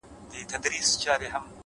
علم د انسان راتلونکی جوړوي؛